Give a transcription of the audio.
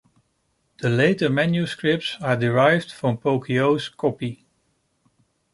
The later manuscripts are derived from Poggio's copy.